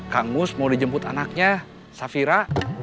kang mus mau dijemput anaknya safira